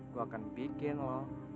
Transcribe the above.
gue akan bikin lu